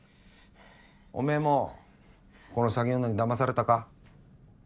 おめぇもこの詐欺女にだまされたか？